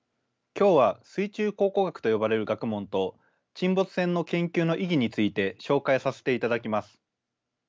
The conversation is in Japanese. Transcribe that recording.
今日は水中考古学と呼ばれる学問と沈没船の研究の意義について紹介させていただきます。